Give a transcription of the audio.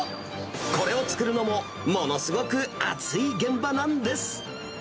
これを作るのも、ものすごく暑い現場なんです。